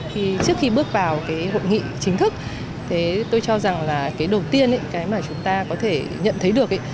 trước khi bước vào cái hội nghị chính thức tôi cho rằng là cái đầu tiên mà chúng ta có thể nhận thấy được